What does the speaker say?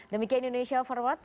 demikian indonesia forward